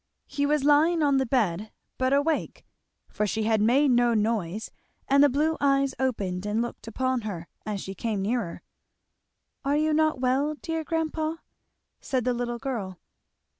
He was lying on the bed, but awake, for she had made no noise and the blue eyes opened and looked upon her as she came near. "Are you not well, dear grandpa?" said the little girl.